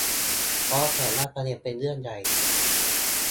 เพราะแต่ละประเด็นเป็นเรื่องใหญ่